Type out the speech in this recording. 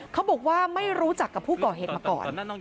เขาบอกว่าไม่รู้จักกับผู้ก่อเหตุมาก่อน